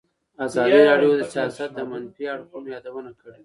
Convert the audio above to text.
ازادي راډیو د سیاست د منفي اړخونو یادونه کړې.